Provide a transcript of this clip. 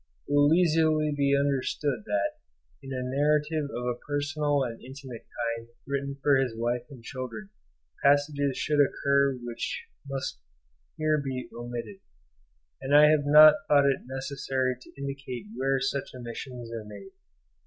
It will easily be understood that, in a narrative of a personal and intimate kind written for his wife and children, passages should occur which must here be omitted; and I have not thought it necessary to indicate where such omissions are made.